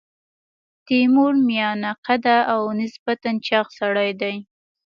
تیمور میانه قده او نسبتا چاغ سړی دی.